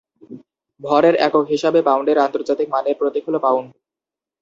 ভরের একক হিসাবে পাউন্ডের আন্তর্জাতিক মানের প্রতীক হল পাউন্ড।